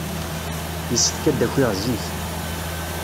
Yessefk ad d-akiɣ zik.